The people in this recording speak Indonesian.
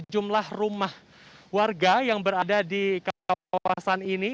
jumlah rumah warga yang berada di kawasan ini